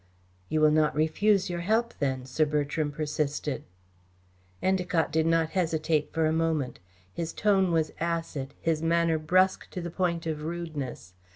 "You will not refuse your help then," Sir Bertram persisted. Endacott did not hesitate for a moment. His tone was acid, his manner brusque to the point of rudeness.